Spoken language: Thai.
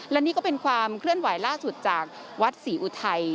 และนี่ก็เป็นความเคลื่อนไหวล่าสุดจากวัดศรีอุทัย